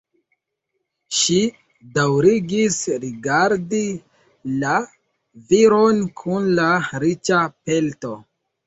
Ŝi daŭrigis rigardi la viron kun la riĉa pelto.